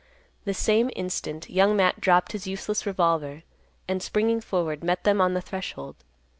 The same instant, Young Matt dropped his useless revolver, and, springing forward, met them on the threshold.